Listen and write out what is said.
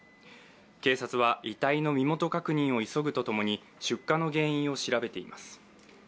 警察は遺体の身元確認を急ぐとともに、出火の原因を調べています。